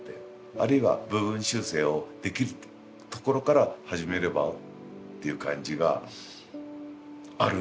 あるいは部分修正をできるところから始めればっていう感じがあるよね。